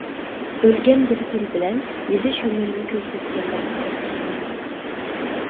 ئۆلگەن بىر تىل بىلەن يېزىش ھۈنىرىنى كۆرسەتكەنلەرنى ئالقىشلايمىز.